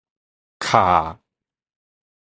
敲